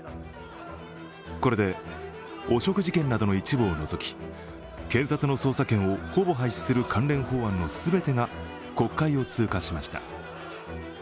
これで、汚職事件などの一部を除き検察の捜査権をほぼ廃止する関連法案の全てが国会を通過しました。